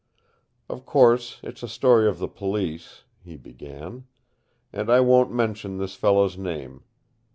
"Of course, it's a story of the Police," he began. "And I won't mention this fellow's name.